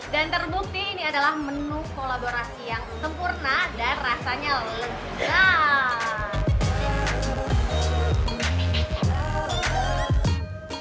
dan terbukti ini adalah menu kolaborasi yang sempurna dan rasanya lezat